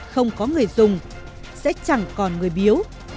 không có người dùng sẽ chẳng còn người biếu